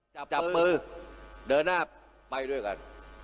จับจับมือเดินหน้าไปด้วยกัน